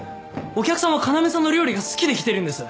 お客さんは要さんの料理が好きで来てるんです。